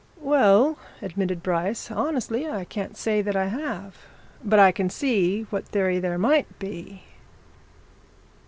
"Well," admitted Bryce, "honestly, I can't say that I have. But I can see what theory there might be.